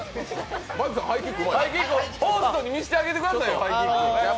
ホーストに見せてあげてくださいよ。